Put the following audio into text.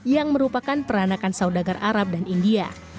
yang merupakan peranakan saudagar arab dan india